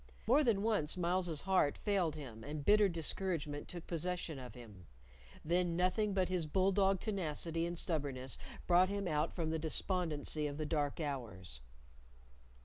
More than once Myles's heart failed him, and bitter discouragement took possession of him; then nothing but his bull dog tenacity and stubbornness brought him out from the despondency of the dark hours.